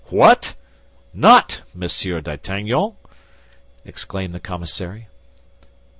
"What! Not Monsieur d'Artagnan?" exclaimed the commissary.